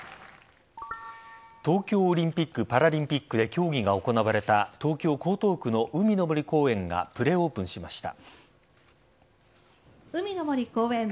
東京オリンピック・パラリンピックで競技が行われた東京・江東区の海の森公園がプレオープンしました。